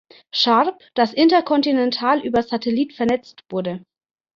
Sharp, das interkontinental über Satellit vernetzt wurde.